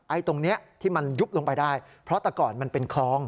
ตรงนี้ที่มันยุบลงไปได้เพราะแต่ก่อนมันเป็นคลอง